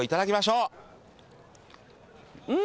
うん！